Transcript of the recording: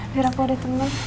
biar aku ada teman